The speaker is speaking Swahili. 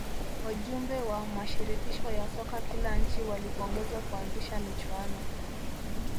wajumbe wa mashirikisho ya soka kila nchi walipongezwa kuanzisha michuano